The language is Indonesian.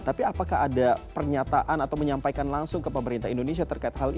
tapi apakah ada pernyataan atau menyampaikan langsung ke pemerintah indonesia terkait hal ini ibu